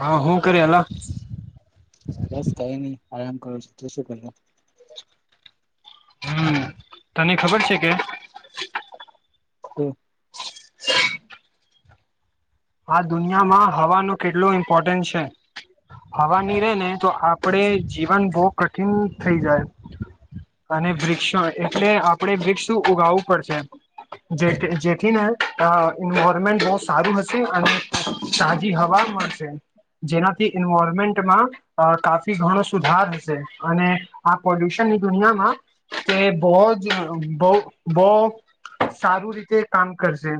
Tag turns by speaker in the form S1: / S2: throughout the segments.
S1: હા હું કર અલા.
S2: બસ કઈ નહી આરામ કરું છું તો શું કર
S1: હમ તને ખબર છે કે
S2: તો
S1: આ દુનિયામાં હવા નો કેટલો ઇમ્પોર્ટન્સ છે. હવાની રે ને તો આપડે જીવન બહ કઠિન થઈ જાય. અને વૃક્ષો એટલે આપડે વૃક્ષ ઉગાવું પડશે. જે જેથીન હ એન્વાયરમેન્ટ બહ સારું હસ છે અને તાજી હવા મળશે જેનાથી ઈન્વોરમેન્ટમાં અ કાફી ઘણો સુધાર હશે અને આ પોલ્યુશનની દુનિયામાં તો એ બહ જ બહું બહુ સારું રીતે કામ કરશે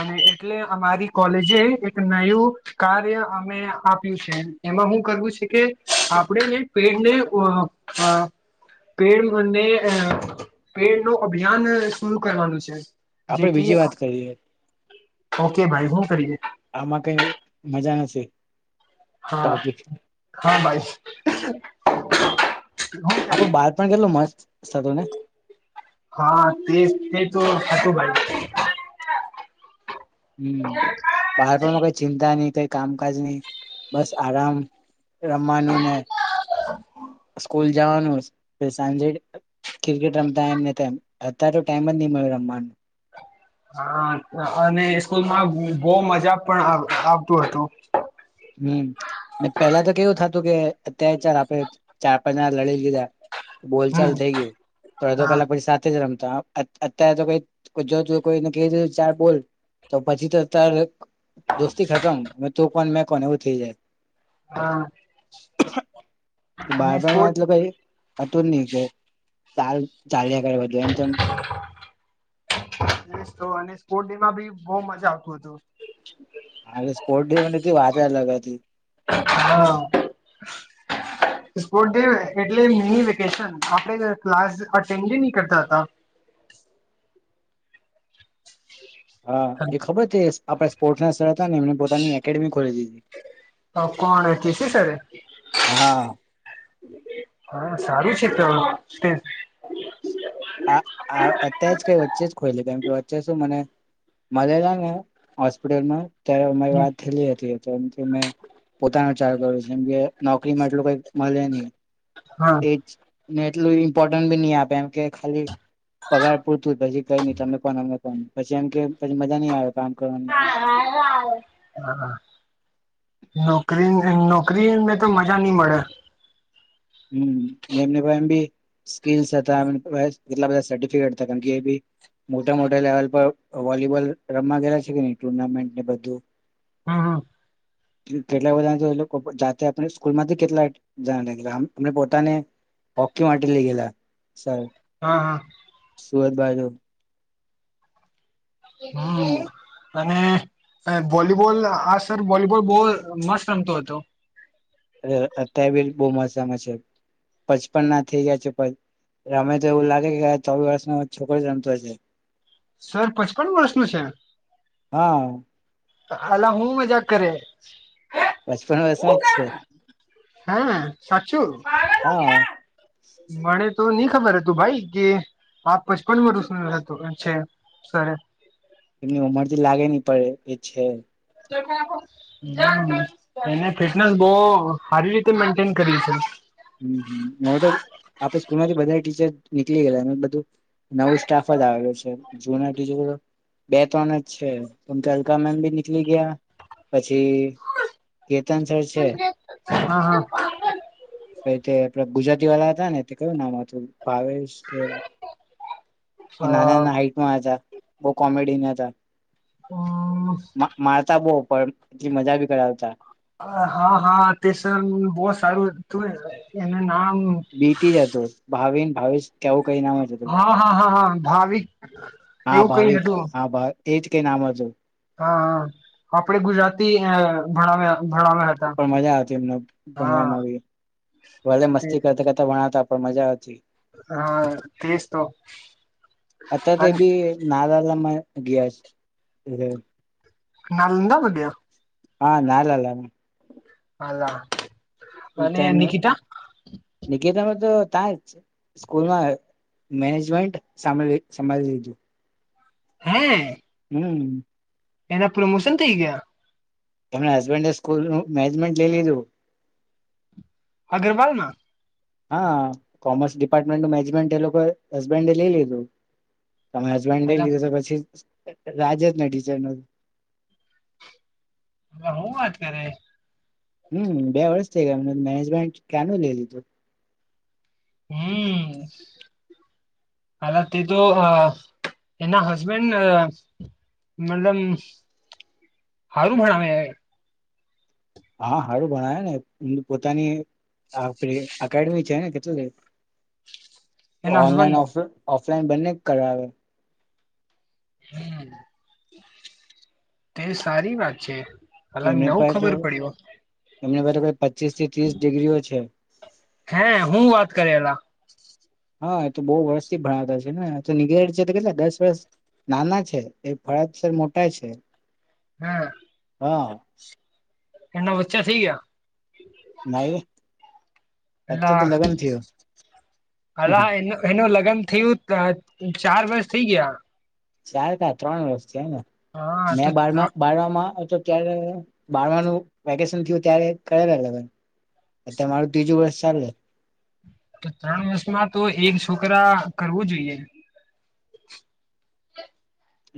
S1: અને એટલે અમારી કોલેજે એક નયું કાર્ય અમે આપ્યું છે એમાં હું કરવું છે કે આપણે જે પેડને ઉહ હા. પેડને અને પેડ નું અભિયાન શરૂ કરવાનું છે.
S2: આપડે
S1: જેથી
S2: [inaudible]
S1: ઓકે ભાઈ હું કરીએ.
S2: આમાં કઈ મજા નથી.
S1: હા
S2: ટોપિક
S1: હા ભાઈ. હું
S2: આપડું
S1: કરીએ
S2: બાળપણ કેટલું મસ્ત હતું ને.
S1: હા તે તે તો હતું ભાઈ.
S2: હમ બહારપમાં કઈ ચિંતા નહી કઈ કામકાજ નહી બસ આરામ. રમમાનું ને
S1: [inaudible]
S2: સ્કૂલ જવાનું સાંજે ક્રિકેટ રમતા એમને તેમ અત્યારે તો ટાઈમ જ નહી મળ્યો રમવાનું.
S1: હા અને સ્કૂલમાં બો મજા પણ આવતું હતું
S2: હમ પેલા તો કેવું થતું કે અત્યારે ચાર આપણે ચાર પાંચાર લડી લીધા
S1: હમ
S2: બોલચાલ થઈ ગયું તો અડધો
S1: હા
S2: કલાક પછી સાથે જ રમતા અત્યારે તો કઈ જો કોઈ [unintelligible] ચાર બોલ તો પછી તો તાર દોસ્તી ખતમ તું કોણ મેં કોણ એવું થઈ જાય.
S1: હા. અને
S2: બાળપણમાં
S1: સ્પોર્ટ
S2: તો લકઈ હતું જ નહી કે ચાલ ચાલ્યા કર બધું એમ તેમ
S1: એ તો અને સ્પોટ ડેમાં બી બો મજા આવત હતું.
S2: હા સ્પોર્ટ ડેને ત વાત જ અલગ હતી
S1: હા. સ્પર્ટ ડે એટલે મિની વેકેશન આપણે ક્લાસ અટેન્ડ નહી કરતા હતા. [inaudible]
S2: હા એ
S1: હતા
S2: ખબર છે આપણા સ્પોર્ટ્ ના સર હતા ને એમ પોતાની એકેડેમી ખોલી દીધી
S1: હ કોણ કે સી સર એ
S2: હા.
S1: [inaudible] હા સારું છે તો
S2: આ અત્યારે જ કઈ વચ્ચે જ ખોઈલી કેમ કે વચ્ચે શું મને મલેલાને હસ્પિટલમાં ત્યારે મારી વાત થેલી હતી તો એમથી મે પોતાનો ચાલુ કર્યો છે કેમકે નોકરીમાં એટલું કઈ મલે ની
S1: હા.
S2: ને એટલું ઇમ્પોર્ટન્ટ બી નહી આપે એમ કે ખાલી પગાર પૂરતું પછી કઈ નઈ તમે કોન અમે કોન પછી એમ કે પછી મજા નઈ આવે કામ કરવાની
S1: [inaudible] નોકરી નોકરીને તો મજા નહી મળે.
S2: હમ એમને ભાઈ એમ બી સ્કીલસ હતા કેટલા બધા સર્ટીફીકેટ [unintelligible] મોટા મોટા લેવલ પર વોલીબોલ રમવા ગેલા છે કેની ટુર્નામેન્ટ ને બધું
S1: હમ્મ હમ્મ
S2: કેટલા બધા જાતે આપણે સ્કૂલ માંથી કેટલા [unintelligible] અમને પોતાને હોકી માટે લઈ ગયેલા સર
S1: હા હા
S2: સુરત બાજુ
S1: હમ્મ. અને વોલીબોલ આ સર વોલીબોલ બો મસ્ત રમતો હતો
S2: અત્યારે બી બો મસ્ત રમે છે પચપન ના થઈ ગયા છે. રમે તો એવું લાગે કે ચૌદ વર્ષ નો છોકરો જ રમતો હોય
S1: સર પચપન વર્ષનું છે
S2: હા.
S1: હાલા હું મજાક કરે
S2: પચપન વર્ષના જ છે
S1: હમ્મ સાચું
S2: હા
S1: મને તો નઈ ખબર હતું ભાઈ કે? આપ પચપન વરસ નુ હતું છે સાહે
S2: એમની ઉમરથી લાગે નહી પડે એ છે.
S1: હ એને ફિટનેસ બહ સારી રીતે મેન્ટેન કરી છે.
S2: હમ હવે તો આપે સ્કૂલ માંથી બધા ટીચર નીકળી ગયે બધું નવું સ્ટાફ જ આવેલ છે. જુનિયર ટીચર બે ત્રણ જ છે કેમકે અલકા મેમ બી નીકળી ગયા પછી કેતન સર
S1: હા હા
S2: પ તે આપડા ગુજરાતી વાળલા હતા ને કેયું નામ હતું ભાવેશ કે એ નાના
S1: હા
S2: નાના હાઈટમાં હતા બહ કોમેડીયના હતા.
S1: હમ
S2: મારતા બો પણ એટલી મજા ભી કરાવતા.
S1: હા હા તેસ બહ સારું હતું એનું નામ
S2: બીતી જત ભાવિને ભાવિ કેવું કઈ નામ જ હતું
S1: હા હા હા હા ભાવિક
S2: હા
S1: એવું કઈ
S2: ભાવિક
S1: હતું.
S2: હા ભા એજ કે નામજ
S1: હા આપડે ગુજરાતી અ ભણાવ્યા ભણાવ્યા હતા.
S2: પણ મજા આવતી એમને
S1: હા
S2: ભણવામાં બ ભલે
S1: તે
S2: મસ્તી કરતા કરતા ભણતા પણ મજા આવતી. જી
S1: હા તે જ તો
S2: અત્યારે તો
S1: પણ
S2: એ બી નાલાલામાં ગયા છે હ
S1: નાલંદા ભધિયા?
S2: હા નાાલલા
S1: હાલા અને
S2: તને
S1: નિકિતા
S2: નિકેતમાં તો તં સ્કૂલમાં મેનેજમેન્ટ સાભળી સાભળી દીધું.
S1: હમ
S2: હમ
S1: એના પ્રોમોશન થઇ ગયા?
S2: એમના હસબન્ડે સ્કૂલનું મેનેજમેન્ટ લઈ લીધું.
S1: અગ્રવાલ ના?
S2: હા કોમર્સ ડિપાર્ટમેન્ટ નું મેનેજમેન્ટ એ લોકો હસબન્ડ લઈ લીધું તમારે હસબેન્ડ લઈ
S1: હાલા
S2: લીધો તો પછી રાજે જ ને ટીચર ન
S1: હવે હું વાત કરે?
S2: હમ બે વર્ષ થઈ ગયા એમને મેનેજમેન્ટ ક્યાં ન લઈ લીધું.
S1: હમ હલા તે તો એના હસબેન્ડ? મતલબ સારું ભણાવ
S2: હા હારું ભણાય ને પોતાની આપડી અડમી છે ને કેટલું?
S1: એના
S2: ઓનલાઈન
S1: હસબન્ડને
S2: ઓફ ઓફલાઈન બંને કરાવે.
S1: હમ તે સારી વાત છે. હલા
S2: એમને
S1: નવું
S2: પસે તો
S1: ખબર પડ્યું
S2: એમને પ પચીસ થી ત્રીસ ડિગ્રીઓ છે
S1: હે હું વાત કરે એલા
S2: હા એ તો બહુ વર્ષ થી ભણતા હ છે નેગ છે તો કેટલા દસ વર્ષ નાના છે એ ફળાદસર મોટા છે
S1: હા
S2: હા.
S1: એના વચ્ચા થઈ ગયા.
S2: ના
S1: અ
S2: અત્યારે તો લગ્ન થયું
S1: અ હ એનું લગન થયું. ચાર વર્ષ થઈ ગયા.
S2: ચાર કા ત્રણ વર્ષ છે ને
S1: હા
S2: મે,
S1: તો
S2: બાળમા
S1: ત્રણ
S2: બારમાં તો ત્યારે બારમાનું વેકેશન થયું ત્યારે કરેલા તમારું ત્રીજું વર્ષ ચાલે.
S1: તો ત્રણ વર્ષમાં તો એક છોકરા કરવું જોઈએ.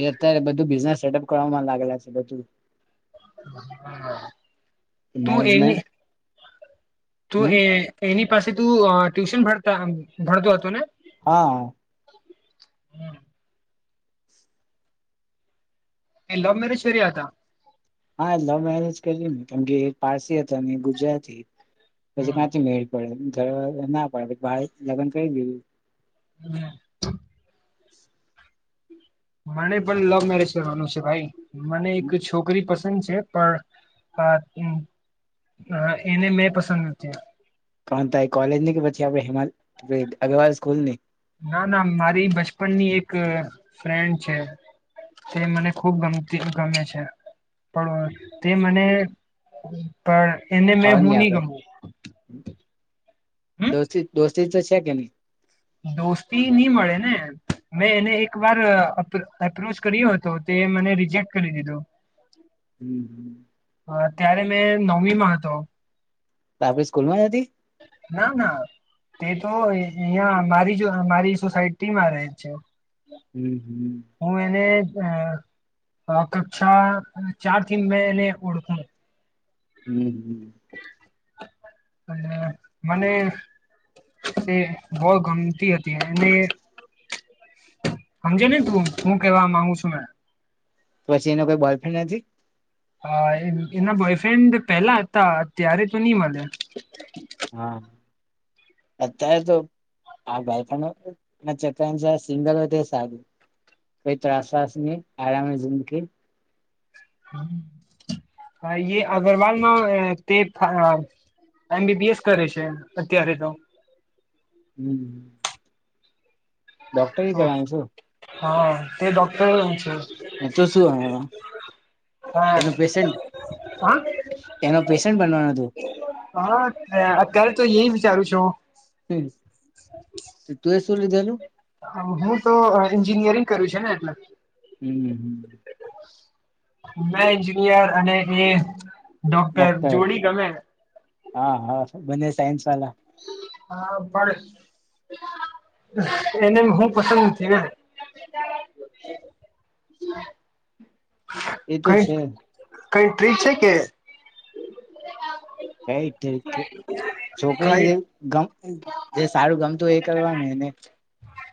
S2: એ અત્યારે બધું બિઝનેસ સેટઅપ કરવાવામાં લાગેલા છે બધું.
S1: હ હમ.
S2: મેનેજમેન્ટ
S1: તું
S2: હમ
S1: એ એની પાસે તું ટ્યુશન ભરતા ભરતો હતો ને.
S2: હા.
S1: તે લવ મેરેજ કર્યા હતા.
S2: હા લવ મેરેજ કરી મે કેમ કે પારસી હતા ને ગુજરાતી પછી કાંથી મેળ. ડે ઘ ના પડે બાર લગન કઈ ગયું. [unintelligible]
S1: હ. મને પણ લવ મેરેજ કરવાનું છે ભાઈ મને એક છોકરી. છોકરી પસંદ છે પણ એને મેં પસંદ નથી.
S2: કોણ ત એ કોલેજ ની કે પછી આપડે હિમાલ અગ્રવાલ સ્કૂલ ની.
S1: ના ના મારી બચપન ની એક ફ્રેન્ડ છે. તે મને ખુબ ગમતી ગમે છે પણ તે મને. પણ એને
S2: ભાવ
S1: મેં હું
S2: ની
S1: નહી
S2: આપે
S1: ગમું હમ
S2: દોસ્તી તો છે કે નહી.
S1: દોસ્તી નહીં મળે ને. મેં એને એક વાર એપ્રોચ કર્યો હતો તે મને રિજેક્ટ કરી દીધું. હ.
S2: હમ હમ.
S1: ત્યારે મેં નવમી માં હતો.
S2: આપડી સ્કૂલ માં જ હતી
S1: ના ના. તે તો અહિયાં મારી મારી સોસાયટીમાં રહે છે.
S2: હમ હમ.
S1: હું એને કક્ષા ચાર થી મે એને ઓળખુ છું
S2: હમ હમ.
S1: અને મને. તે બહુ ગમતી હતી અને. સમજે ને તું શું કેવા માંગુ છુ મેં
S2: તો પછી એનો કોઈ બોયફ્રેન્ડ નથી.
S1: હ એના બોયફ્રેન્ડ પેલા હતા અત્યારે તો નઈ મળ્યા.
S2: હા અત્યારે તો આ બાળપણ ના ચકરા છે સિંગલ હોય તે સારું. કઈ ત્રાસ વાસ નહીં આરામ જિંદગી.
S1: હ એ અગ્રવાલમાં તે [unintelligible] એમ બીબીએસ કરે છે અત્યારે તો.
S2: હમ. ડોક્ટર
S1: તો
S2: [unintelligible]
S1: હા તે ડોક્ટર હુ છું.
S2: તું શું હમણાં
S1: હા
S2: એનો
S1: હ.
S2: પેશન્ટ
S1: હન,
S2: એનો પેશન્ટ બનવાનો
S1: અત્યારે તો ઈ વિચારું છું.
S2: [unintelligible] તો તુએ શું લીધેલું?
S1: હું તો એન્જિનિયરિંગ કર્યું છે ને એટલે.
S2: હમ હમ.
S1: મે એન્જિનિયર અને એ ડોક્ટર જોડી ગમે.
S2: હા, હા, બંને સયન્સ વાલા.
S1: હા, પણ એને હું પસંદ નથી ને.
S2: એ તો
S1: કઈ,
S2: છે
S1: કઈ ટ્રીક છે કે?
S2: કઈ ટ્રીક, છોકરીની
S1: કઈ
S2: જે ગમ જે સારું ગમતું હોય એ કરવાનું એને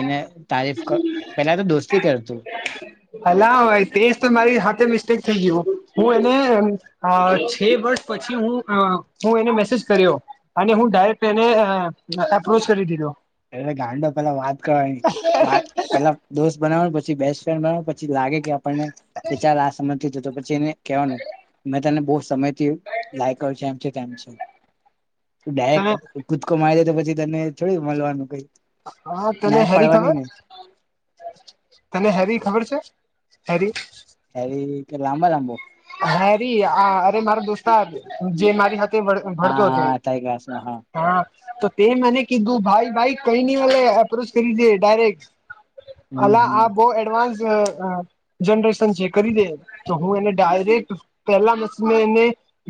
S2: એને તારીફ ક, પેલાતો દોસ્તી કરતું.
S1: અલા, ભઈ તેજ તો મારી હાથે મિસ્ટેક થઈ ગયું. હું એને એમ અ છે વર્ષ પછી હું અ હું એને મેસેજ કર્યો. અને હું ડાયરેક્ટ એને અ એપ્રોચ કરી દીધો.
S2: અલે ગાંડો પેલા વાત કરવાની. વાત પેલા દોસ્ત બનાવાનું, પછી બેસ્ટ ફ્રેન્ડ બનાવાનુ, પછી લાગે કે આપડને કે ચલ આ સમજ થીતી તો પછી એને કેવાનું, મે તને બઉ સમયથી લાયક કરુ છુ, એમ છે, તેમ છે. તુ દાયેક
S1: તને
S2: કૂદકો મારીદે તો પછી તને થોડી મલવાનું કઈ.
S1: હા, તને
S2: ના જ
S1: હેરી
S2: પાડવાની
S1: ખબર?
S2: ને
S1: તને હેરી ખબર છે, હેરી?
S2: હેરી કે લાંબા લાંબો?
S1: હેરી આ અરે મારો દોસ્તાર, જે મારી હત તે વડ
S2: હા
S1: ભડતો તો
S2: હા તારી ક્લાસમાં
S1: હા, તો તે મને કીધું ભાઈ ભાઈ કઈ ની મલે એપ્રોચ કરી દે ડાયરેક્ટ.
S2: હમ
S1: અલા
S2: હમ
S1: આ બઉ એડવાન્સ અ અ જનરેશન છે, કરી દે, તો હું એને ડાયરેક્ટ પેલા બશ મે એને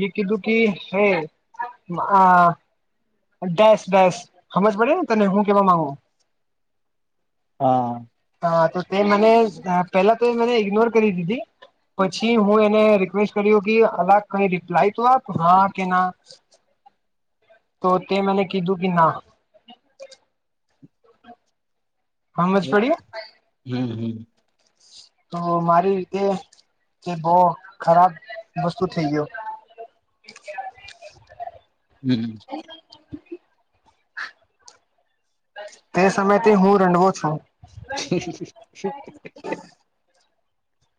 S1: એ કીધું કે, હે આ ડેસ ડેસ હમજ પડીને તને હું કેવા માંગુ?
S2: હા.
S1: હા, તો તે મને અ પેલા તો એ મને ઇગ્નોર કરી દીધી. પછી હું એને રિક્વેસ્ટ કર્યો કે, અલા કઈ રિપ્લાય તો આપ હા કે ના. તો તે મને કીધું કે, ના. સમજ
S2: એપ
S1: પડી
S2: હમ્મ હમ્મ
S1: તો મારી રીતે એ બઉ ખરાબ વસ્તુ થઈ ગયો.
S2: હમ્મ
S1: તે સમયથી હું રંડવો છું.
S2: [unintelligible]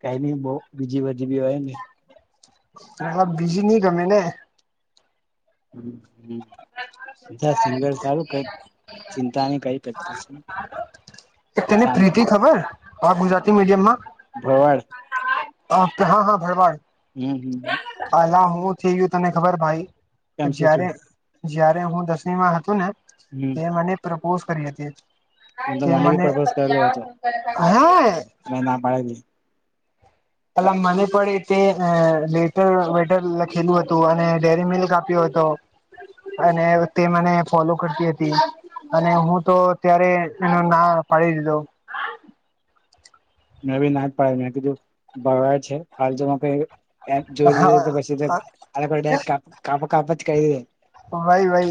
S2: કઈબી બઉ બીજી બધી બી હોયને.
S1: એવા બીજી ની ગમેને.
S2: હમ્મ હમ્મ ચિંતા નહી કઈ કજ કરશે
S1: [inaudible] એ તને
S2: શાંતિ
S1: પ્રીતિ ખબર? અ ગુજરાતી મીડિયમમાં
S2: ભવાડ?
S1: હા, હા, ભરવાડ.
S2: હમ હમ
S1: અલા હું થઈ ગયુ, તને ખબર ભાઈ?
S2: કેમ શું
S1: જયારે
S2: થયું
S1: જયારે હું દસમીમાં હતોને
S2: હમ
S1: તે મને પ્રપોઝ કરી હતી,
S2: એમ તો
S1: તે
S2: બી
S1: મને
S2: પ્રપોઝ
S1: હે
S2: મે ના પાડેલી.
S1: પેલા મને પણ એ તે એ લેટર-વેટર લખેલું હતું, અને ડેરી મિલક આપ્યું હતું. અને તે મને ફોલો કરતી હતી. અને હું તો ત્યારે એનો ના પાડી દીધો.
S2: મે બી ના જ પાડી. મે કીધું ભરવાડ છે, હાલ જો મકે એ એપ જોય લીધો તો પછી તો
S1: હા
S2: [unintelligible] કાપ-કાપ જ કરી દેય.
S1: વાઇ વાઇ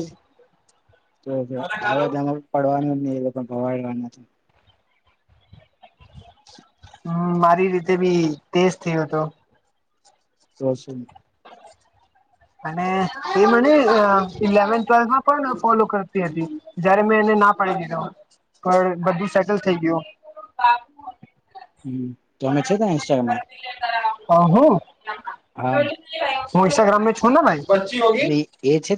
S2: તો જો આવા બધામાં પડવાનું જ નહી એ લોકો ભવાડવા નથી.
S1: હમ્મ મારી રીતેબી તેસ થયો હતો.
S2: દસ
S1: અને એ મને ઇલેવન્થ, ટ્વેલ્થમાં પણ ફોલો કરતી હતી. જયારે મેં એને ના પાડી દીધા પણ બધું સેટલ થઈ ગયું.
S2: હ તો અમે છે, તને ઇન્સ્ટા માં? હા
S1: હ-હું-હું ઇસ્ટાગ્રામને છું, ના ભાઈ
S2: ન એ છે? તે,